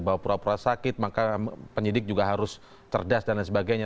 bahwa pura pura sakit maka penyidik juga harus cerdas dan lain sebagainya